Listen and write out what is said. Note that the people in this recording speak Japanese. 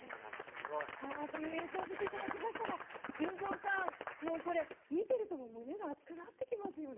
という映像を見ていただきましたが修造さん、これ見ていると胸が熱くなってきますよね。